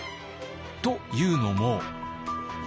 というのも。